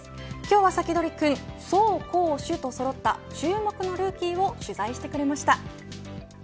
今日はサキドリくん走、攻、守とそろった注目のルーキーを取材してくれました。